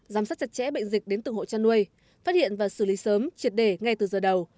giám sát chặt chẽ bệnh dịch đến từng hộ chăn nuôi phát hiện và xử lý sớm triệt đề ngay từ giờ đầu